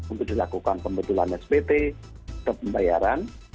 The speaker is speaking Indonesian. untuk dilakukan pembetulan spt atau pembayaran